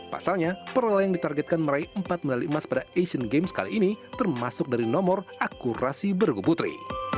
pasalnya para layang ditargetkan meraih empat medali emas pada asian games kali ini termasuk dari nomor akurasi bergu putri